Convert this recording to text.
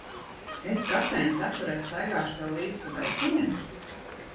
Es kapteiņa cepurē staigāšu tev līdzi pa veikaliem?